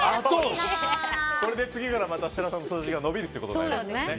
これで次から設楽さんの数字がまた伸びるということになりますね。